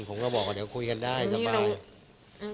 ผมก็บอกว่าเดี๋ยวคุยกันได้สบาย